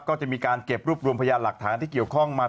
ก็จะมีการเก็บรวบรวมพยานหลักฐานที่เกี่ยวข้องมา